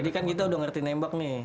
jadi kan kita udah ngerti nembaknya ya